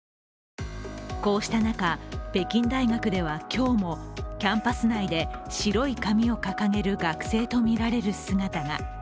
こうした中、北京大学では今日もキャンパス内で白い紙を掲げる学生と見られる姿が。